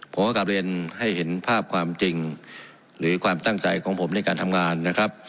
ผมก็กลับเรียนให้เห็นภาพความจริงหรือความตั้งใจของผมในการทำงานนะครับ